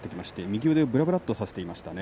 右腕をぶらぶらっとさせていました。